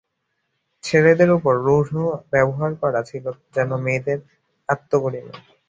ছেলেদের উপর রূঢ় ব্যবহার করা ছিল যেন মেয়েদের আত্মগরিমা।